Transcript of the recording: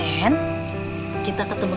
yang penting bagus sembuh